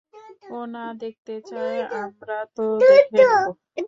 ও না দেখতে চায় আমরা তো দেখে নেব।